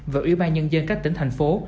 và ủy ban nhân dân các tỉnh thành phố